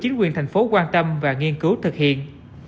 chính quyền thành phố quan tâm và nghiên cứu thực hiện